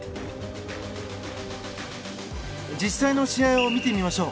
実際の試合を見てみましょう。